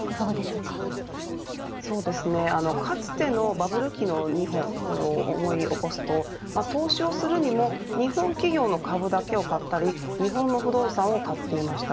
ただ、かつてのバブル期の日本を思い起こすと投資をするにも日本企業の株だけを買ったり日本の不動産を買っていました。